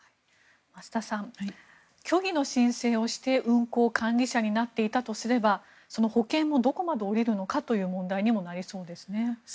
増田さん虚偽の申請をして運航管理者になっていたとすればその保険もどこまで下りるのかという問題にもなりそうですね。